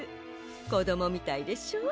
こどもみたいでしょ？